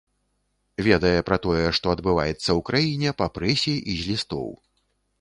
Ведае пра тое, што адбываецца ў краіне па прэсе і з лістоў.